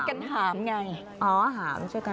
ช่วยกันหามอย่างไร